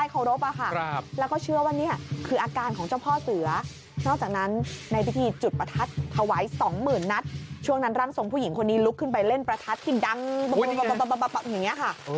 เออเขาหัวเงาะดังรั้นเลย